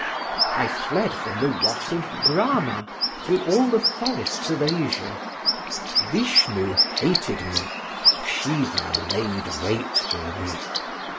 I fled from the wrath of Brama through all the forests of Asia: Vishnu hated me: Seeva laid wait for me.